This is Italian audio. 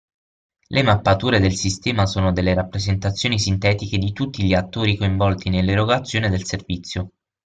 Le mappature del sistema sono delle rappresentazioni sintetiche di tutti gli attori coinvolti nell'erogazione del servizio.